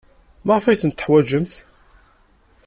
Maɣef ay ten-teḥwajemt?